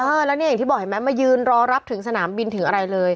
เออแล้วเนี่ยอย่างที่บอกเห็นไหมมายืนรอรับถึงสนามบินถึงอะไรเลย